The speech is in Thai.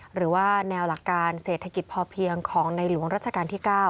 หรือว่าแนวหลักการเศรษฐกิจพอเพียงของในหลวงรัชกาลที่๙